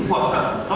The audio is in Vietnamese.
giờ lại đi inside